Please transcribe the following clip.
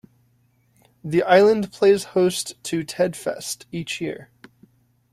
The island plays host to Ted Fest each year.